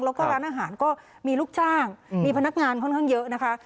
แล้วก็ร้านอาหารก็มีลูกจ้างมีพนักงานค่อนข้างเยอะนะคะ